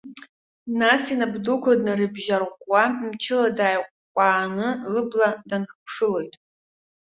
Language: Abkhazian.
Нас инап дуқәа днарыбжьарӷәӷәа, мчыла дааиҟәкәкәааны лыбла дынхыԥшылоит.